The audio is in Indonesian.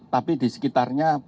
tapi di sekitarnya